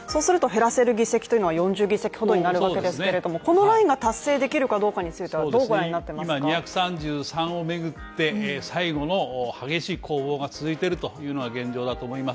そうすると減らせる議席というのは４０議席程になるわけですけれども、このラインが達成できるかどうかについては２３３を巡って最後の激しい攻防が続いているというのが現状だと思います。